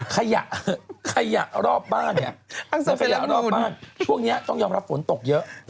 ขยะขยะรอบบ้านเนี้ยทั้งส่วนไปแล้วหมุนขยะรอบบ้านช่วงเนี้ยต้องยอมรับฝนตกเยอะ